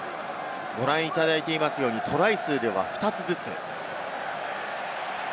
ご覧いただいているように、トライ数では２つずつ。